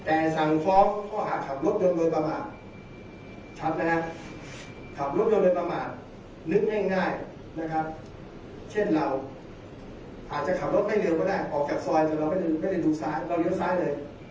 แต่สั่งฟ้องข้อหาขับรถโดยประมาทชัดนะฮะขับรถโดยประมาทนึกง่ายนะครับเช่นเราอาจจะขับรถไม่เร็วก็ได้ออกจากซอยแต่เราไม่ได้ดูซ้ายเราเลี้ยวซ้ายเลย